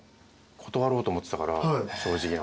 断ろうと思ってたから正直なところ。